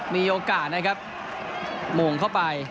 มีโอกาสนะครับโมงเข้าไป